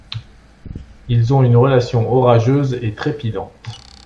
Ils ont une relation orageuse et trépidante.